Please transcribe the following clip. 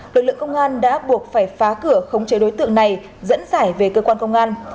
lực lượng công an đã buộc phải phá cửa khống chế đối tượng này dẫn dải về cơ quan công an